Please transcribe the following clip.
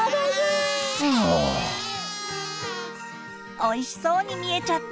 おいしそうに見えちゃった？